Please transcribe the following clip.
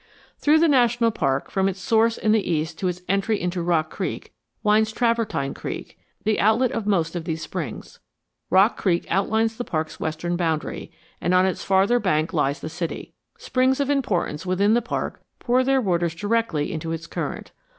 Through the national park, from its source in the east to its entry into Rock Creek, winds Travertine Creek, the outlet of most of these springs. Rock Creek outlines the park's western boundary, and on its farther bank lies the city. Springs of importance within the park pour their waters directly into its current.